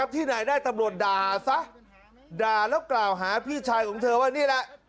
ที่ไหนได้ตำรวจด่าซะด่าแล้วกล่าวหาพี่ชายของเธอว่านี่แหละ